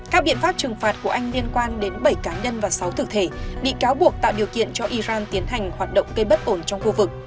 các biện pháp trừng phạt của anh liên quan đến bảy cá nhân và sáu thực thể bị cáo buộc tạo điều kiện cho iran tiến hành hoạt động gây bất ổn trong khu vực